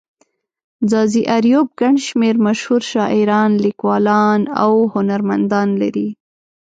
ځاځي اريوب گڼ شمېر مشهور شاعران، ليکوالان او هنرمندان لري.